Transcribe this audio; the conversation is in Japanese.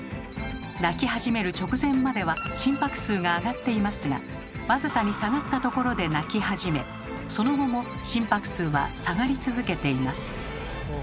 泣き始める直前までは心拍数が上がっていますが僅かに下がったところで泣き始めその後も心拍数は下がり続けています。